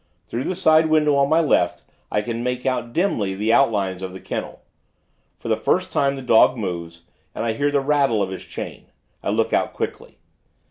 Through the side window, on my left, I can make out, dimly, the outlines of the kennel. For the first time, the dog moves, and I hear the rattle of his chain. I look out, quickly.